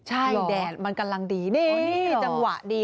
ใช่แดดมันกำลังดีนี่จังหวะดี